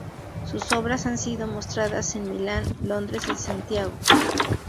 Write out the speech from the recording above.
Sus obras han sido mostradas en Milán, Londres y Santiago.